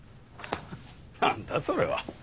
なんだそれは。